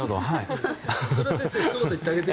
それは先生ひと言言ってあげて。